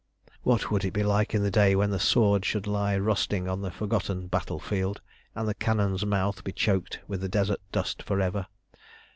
What would it be like in the day when the sword should lie rusting on the forgotten battle field, and the cannon's mouth be choked with the desert dust for ever?